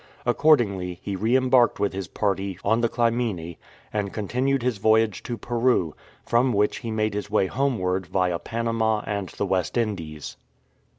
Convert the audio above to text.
Accordingly, he re embarked with his party on the Clymene^ and continued his voyage to Peru, from which he made his way homeward via Panama and the West Indies.